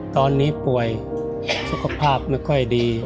ตอนนี้ป่วยสุขภาพไม่ค่อยดี